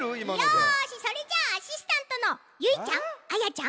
よしそれじゃあアシスタントのゆいちゃんあやちゃん